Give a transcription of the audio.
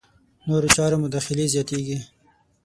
نورو چارو مداخلې زیاتېږي.